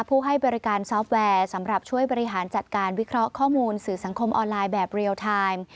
ให้บริการซอฟต์แวร์สำหรับช่วยบริหารจัดการวิเคราะห์ข้อมูลสื่อสังคมออนไลน์แบบเรียลไทม์